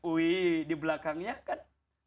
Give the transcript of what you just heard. wih di belakangnya kan